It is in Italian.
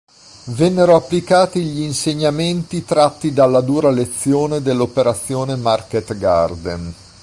Vennero applicati gli insegnamenti tratti dalla dura lezione dell"'operazione Market Garden".